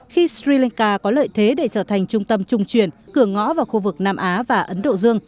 khi sri lanka có lợi thế để trở thành trung tâm trung truyền cửa ngõ vào khu vực nam á và ấn độ dương